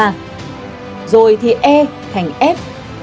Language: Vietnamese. rồi thì e thành f